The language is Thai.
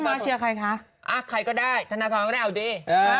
คุณไม่มาเชียร์ใครค่ะอ่ะใครก็ได้ธนาทรก็ได้เอาดี